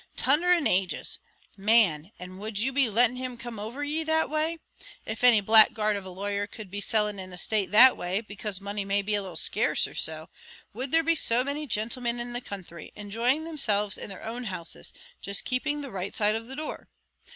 "Tunder and ages! man, and would you be letting him come over ye that way? If any blackguard of a lawyer could be selling an estate that way, because money may be a little scarce or so, would there be so many gintlemen in the counthry, enjoying themselves in their own houses, just keeping the right side of the door?